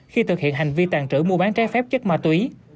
khi thực hiện hành vi tàn trữ mua bán trái phép chất ma túy